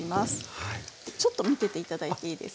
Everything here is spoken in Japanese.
ちょっと見てて頂いていいですか？